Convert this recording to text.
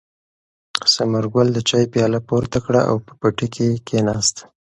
ثمرګل د چای پیاله پورته کړه او په پټي کې کېناست.